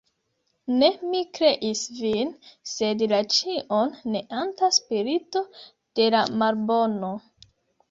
Ne mi kreis vin, sed la ĉion neanta spirito de la Malbono.